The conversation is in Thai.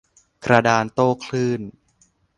กระดานโต้คลื่น